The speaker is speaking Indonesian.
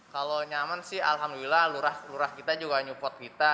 kalau nyaman sih alhamdulillah lurah lurah kita juga support kita